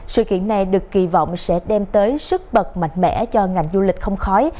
sự kiện này được kỳ vọng sẽ đem tới sức bật mạnh mẽ cho ngành du lịch không khói